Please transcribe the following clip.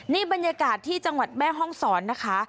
นี่บรรยากาศที่จังหวัดแม่ห้องศรนะคะ